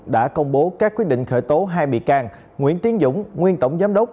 đã công bố các quyết định khởi tố hai bị can nguyễn tiến dũng nguyên tổng giám đốc